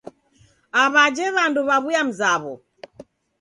Aw'ajhe w'andu waw'uya mzaw'o.